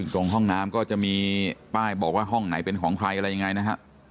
ห้องน้ำก็จะมีป้ายบอกว่าห้องไหนเป็นของใครอะไรยังไงนะฮะ